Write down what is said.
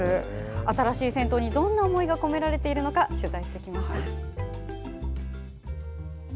新しい銭湯にどんな思いが込められているのか取材してきました。